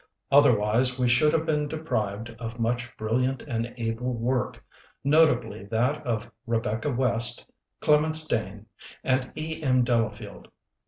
Otherwise we should have been deprived of much brilliant and able work ŌĆö notably that of Rebecca West, Clemence Dane, and E. M. Delafield.